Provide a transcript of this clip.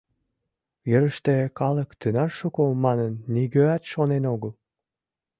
Йырыште калык тынар шуко манын нигӧат шонен огыл.